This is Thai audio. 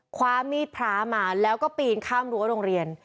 คว้ามีดพระมาแล้วก็ปีนข้ามรั้วโรงเรียน